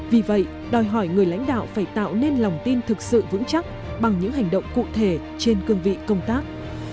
vì vậy đòi hỏi người lãnh đạo phải tạo nên lòng tin thực sự vững chắc bằng những hành động cụ thể trên cương vị công tác